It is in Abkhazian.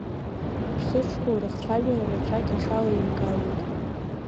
Иԥсыҽқәоу рыхцәажәара рацәак иҽалаимгалеит.